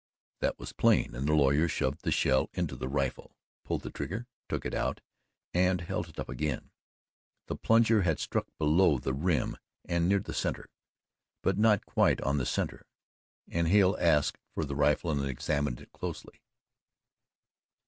That was plain, and the lawyer shoved the shell into the rifle, pulled the trigger, took it out, and held it up again. The plunger had struck below the rim and near the centre, but not quite on the centre, and Hale asked for the rifle and examined it closely.